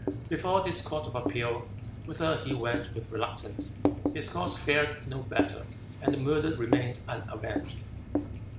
Before this court of appeal, whither he went with reluctance, his cause fared no better, and the murder remained unavenged.